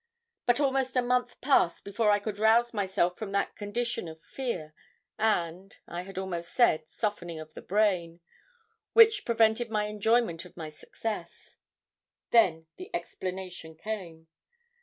But almost a month passed before I could arouse myself from that condition of fear and I had almost said, softening of the brain which prevented my enjoyment of my success. "Then the explanation came.